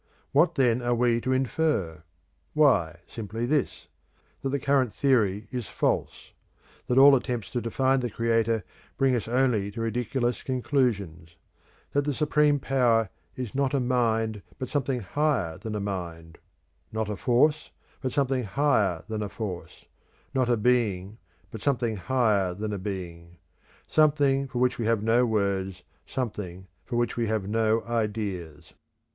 What then are we to infer? Why, simply this, that the current theory is false; that all attempts to define the Creator bring us only to ridiculous conclusions; that the Supreme Power is not a Mind, but something higher than a Mind; not a Force, but something higher than a Force; not a Being, but something higher than a Being; something for which we have no words, something for which we have no ideas.